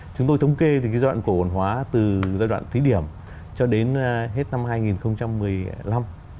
chúng tôi thống kê thì cái giai đoạn cổ phần hóa từ giai đoạn thí điểm cho đến hết năm hai nghìn một mươi năm